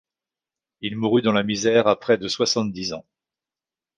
Il mourut dans la misère à près de soixante-dix ans.